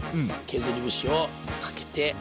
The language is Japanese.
削り節をかけて。